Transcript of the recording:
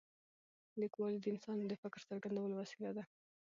لیکوالي د انسان د فکر څرګندولو او د پوهې شریکولو اساسي وسیله ده.